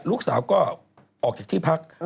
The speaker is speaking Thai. ลูกสาวก็ออกจากที่พัก